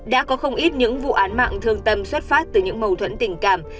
đã có không ít những vụ án mạng thương tâm xuất phát từ những mâu thuẫn tình cảm